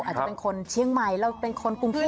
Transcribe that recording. อาจจะเป็นคนเชียงใหม่เราเป็นคนกรุงเทพ